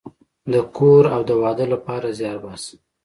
د کور او د واده لپاره زیار باسم